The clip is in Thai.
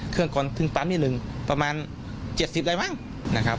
เครื่องก่อนถึงปั๊มนี่หนึ่งประมาณเจ็ดสิบอะไรบ้างนะครับ